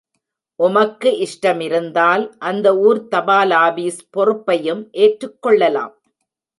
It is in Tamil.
உமக்கு இஷ்டமிருந்தால், அந்த ஊர்த் தபாலாபீஸ் பொறுப்பையும் ஏற்றுக்கொள்ளலாம்.